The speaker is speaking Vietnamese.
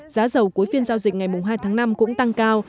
giá dầu cuối phiên giao dịch ngày hai tháng năm cũng tăng cao